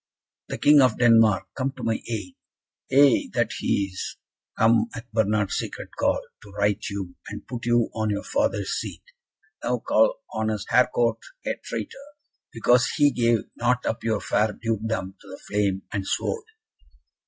"The King of Denmark! Come to my aid!" "Ay, that he is! Come at Bernard's secret call, to right you, and put you on your father's seat. Now call honest Harcourt a traitor, because he gave not up your fair dukedom to the flame and sword!"